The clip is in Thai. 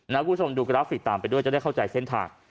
คุณผู้ชมดูกราฟิกตามไปด้วยจะได้เข้าใจเส้นทาง